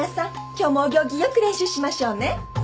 今日もお行儀良く練習しましょうね。